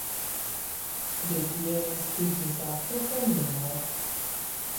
De tie naskiĝis la toponimo.